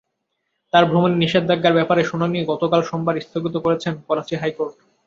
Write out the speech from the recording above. তাঁর ভ্রমণে নিষেধাজ্ঞার ব্যাপারে শুনানি গতকাল সোমবার স্থগিত করেছেন করাচি হাইকোর্ট।